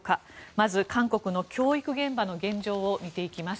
まず、韓国の教育現場の現状を見ていきます。